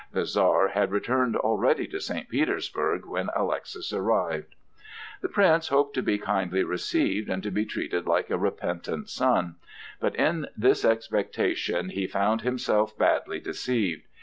The Czar had returned already to St. Petersburg when Alexis arrived. The Prince hoped to be kindly received and to be treated like a repentant son; but in this expectation he found himself badly deceived.